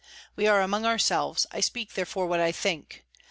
We are among ourselves, I speak therefore what I think.